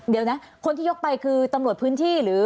เดี๋ยวนะคนที่ยกไปคือตำรวจพื้นที่หรือ